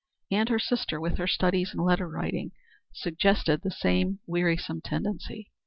And his sister, with her studies and letter writing, suggested the same wearisome tendency.